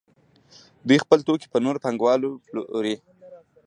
دوی خپل توکي په نورو پانګوالو پلوري